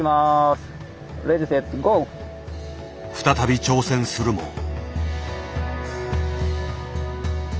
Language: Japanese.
再び挑戦するも。